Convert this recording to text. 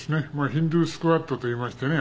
ヒンドゥースクワットといいましてね。